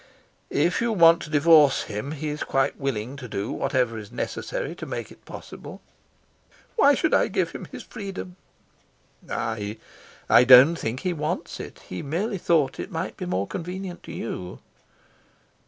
"If you want to divorce him, he's quite willing to do whatever is necessary to make it possible." "Why should I give him his freedom?" "I don't think he wants it. He merely thought it might be more convenient to you."